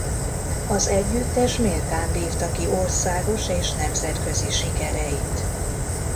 Az együttes méltán vívta ki országos és nemzetközi sikereit.